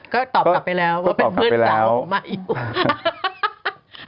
ก็ตอบกลับไปแล้วว่าเป็นเพื่อนสาวใหม่อยู่